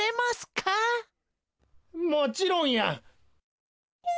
もちろんや！